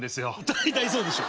大体そうでしょ。